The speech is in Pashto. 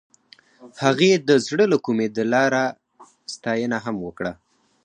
هغې د زړه له کومې د لاره ستاینه هم وکړه.